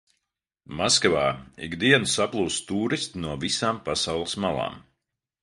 Maskavā ik dienu saplūst tūristi no visām pasaules malām.